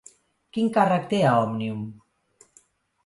Quin càrrec té a Òmnium?